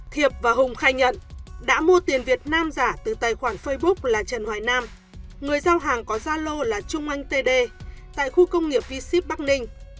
thiệp và hùng khai nhận đã mua tiền việt nam giả từ tài khoản facebook là trần hoài nam người giao hàng có gia lô là trung anh td tại khu công nghiệp v ship bắc ninh